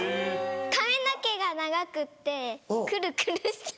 髪の毛が長くってクルクルしてる。